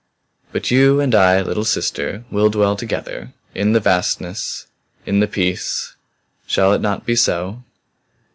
"But you and I, little sister, will dwell together in the vastnesses in the peace. Shall it not be so?"